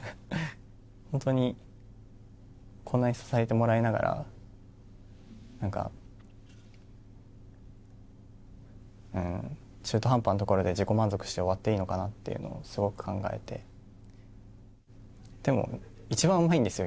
本当にこんなに支えてもらいながらなんか中途半端なところで自己満足して終わっていいのかなっているのをすごく考えてでも一番うまいんですよ